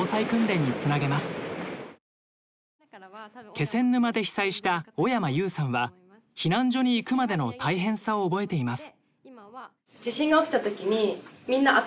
気仙沼で被災した小山結有さんは避難所に行くまでの大変さを覚えています。